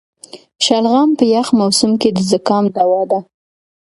شلغم په یخ موسم کې د زکام دوا ده.